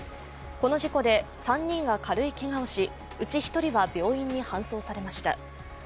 この事故で３人が軽いけがをし、うち１人は病院に搬送されました。